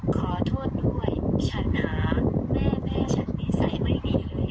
ขอโทษด้วยฉันหาแม่แม่ฉันนิสัยไม่ดีเลย